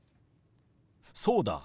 そうだ。